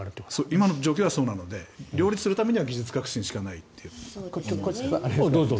今の状況だとそうなので両立するためには技術革新しかないと。